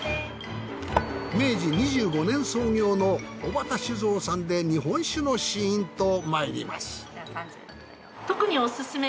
明治２５年創業の尾畑酒造さんで日本酒の試飲とまいります。